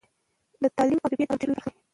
د تعليم او تربيه ترمنځ ډير لوي فرق دی